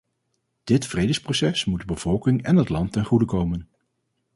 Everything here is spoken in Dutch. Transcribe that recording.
Dit vredesproces moet de bevolking en het land ten goede komen.